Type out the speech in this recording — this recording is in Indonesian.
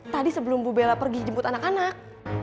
tadi sebelum bu bella pergi jemput anak anak